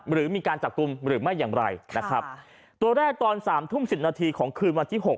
หรือมีการจักรุมหรือไม่อย่างไรตัวแรกตอน๓ทุ่ม๑๐นาทีของคืนวันที่๖